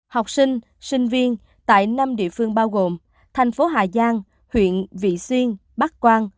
học sinh sinh viên tại năm địa phương bao gồm thành phố hà giang huyện vị xuyên bắc quang